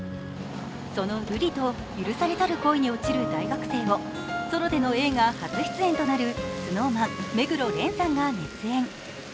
その瑠璃と許されざる恋に落ちる大学生をソロでの映画初出演となるＳｎｏｗＭａｎ、目黒蓮さんが熱演。